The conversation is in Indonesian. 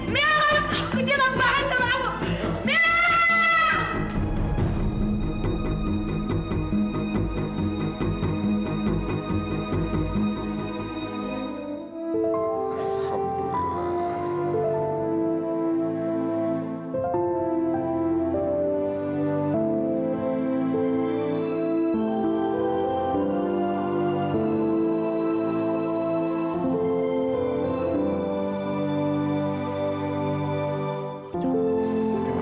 mirah aku tidak bahagia sama kamu